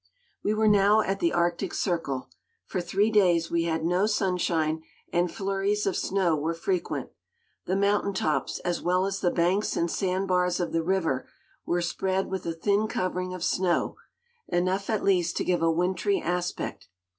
We were now at the Arctic Circle. For three days we had no sunshine, and flurries of snow were frequent. The mountain tops, as well as the banks and sand bars of the river, were spread with a thin covering of snow; enough at least to give a wintry aspect.